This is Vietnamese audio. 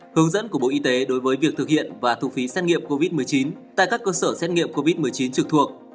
hướng dẫn của bộ y tế đối với việc thực hiện và thu phí xét nghiệm covid một mươi chín tại các cơ sở xét nghiệm covid một mươi chín trực thuộc